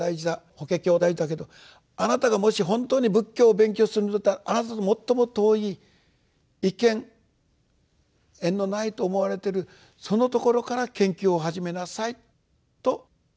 法華経大事だけどあなたがもし本当に仏教を勉強するんだったらあなたと最も遠い一見縁のないと思われてるそのところから研究を始めなさい」と。